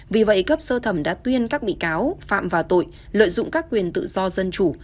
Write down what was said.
vì vậy cấp sơ thẩm đã tuyên các bị cáo phạm vào tội lợi dụng các quyền tự do dân chủ